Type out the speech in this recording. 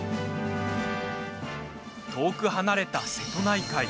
遠く離れた瀬戸内海。